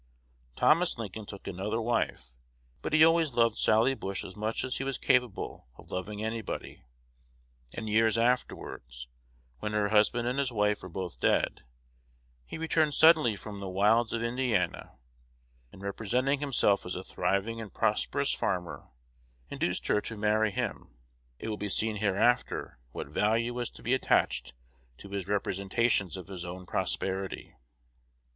Thomas Lincoln took another wife, but he always loved Sally Bush as much as he was capable of loving anybody; and years afterwards, when her husband and his wife were both dead, he returned suddenly from the wilds of Indiana, and, representing himself as a thriving and prosperous farmer, induced her to marry him. It will be seen hereafter what value was to be attached to his representations of his own prosperity.